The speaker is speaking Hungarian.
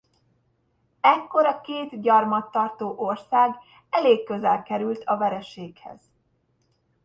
Ekkor a két gyarmattartó ország elég közel került a vereséghez.